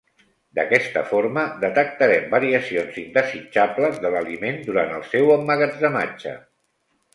D'aquesta forma detectarem variacions indesitjables de l'aliment durant el seu emmagatzematge.